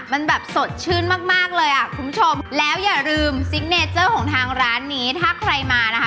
มันแบบสดชื่นมากมากเลยอ่ะคุณผู้ชมแล้วอย่าลืมซิกเนเจอร์ของทางร้านนี้ถ้าใครมานะคะ